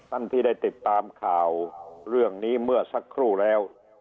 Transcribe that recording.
ท่านที่ได้ติดตามข่าวเรื่องนี้เมื่อสักครู่แล้ว